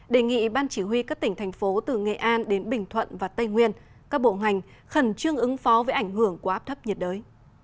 đề nghị ban chỉ huy các tỉnh thành phố từ nghệ an đến bình thuận và tây nguyên các bộ ngành khẩn trương ứng phó với ảnh hưởng của áp thấp nhiệt đới